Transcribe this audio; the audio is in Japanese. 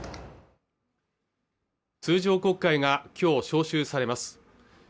通常国会がきょう召集されます